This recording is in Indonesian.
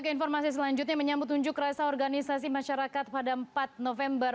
keinformasi selanjutnya menyambut unjuk rasa organisasi masyarakat pada empat november